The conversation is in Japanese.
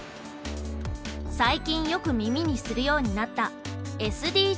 最近よく耳にするようになった「ＳＤＧｓ」。